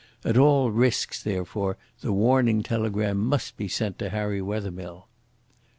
At all risks, therefore, the warning telegram must be sent to Harry Wethermill."